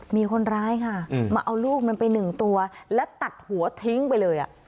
มีคนร้ายค่ะมาเอาลูกมันไปหนึ่งตัวและตัดหัวทิ้งไปเลย